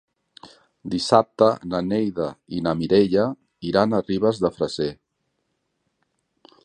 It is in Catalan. Dissabte na Neida i na Mireia iran a Ribes de Freser.